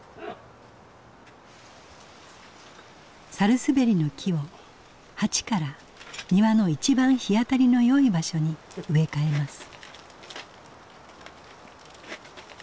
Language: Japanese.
百日紅の木を鉢から庭の一番日当たりのよい場所に植え替えます。